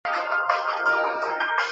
他的父亲瞽叟是个盲人。